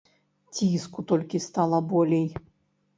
Ціску толькі стала болей.